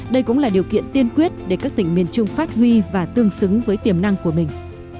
đây cũng là điều kiện tiên quyết để các tỉnh miền trung phát huy và tương xứng với tiềm năng của mình